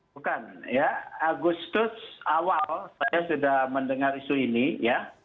bukan ya agustus awal saya sudah mendengar isu ini ya